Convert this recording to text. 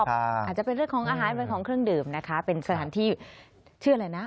อาจจะเป็นเรื่องของอาหารเป็นของเครื่องดื่มนะคะเป็นสถานที่ชื่ออะไรนะ